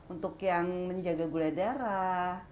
untuk yang menjaga gula darah